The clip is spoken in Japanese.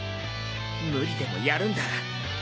無理でもやるんだ。